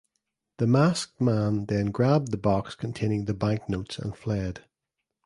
The masked man then grabbed the box containing the bank notes and fled.